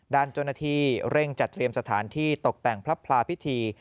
ด้านเจ้าหน้าที่เร่งจัดเตรียมสถานที่ตกแต่งพระพลาพิธี